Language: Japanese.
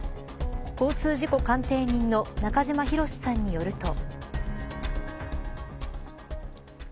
交通事故鑑定人の中島博史さんによると。